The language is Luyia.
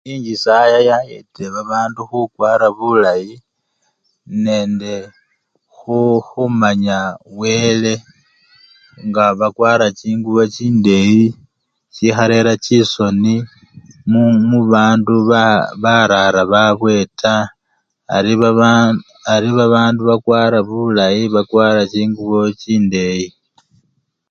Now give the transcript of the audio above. Enjisaya yayetile babandu khukwara bulayi nende khu! khumanya wele nga bakwara chingubo chindeyi chikharera chisoni mu! mubandu ba! barara babwe taa ari babandu! ari babandu bakwara bulayi bakwara chingubochindeyi.